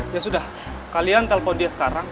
ya sudah kalian telpon dia sekarang